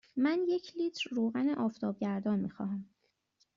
من یک لیتر روغن آفتابگردان می خواهم.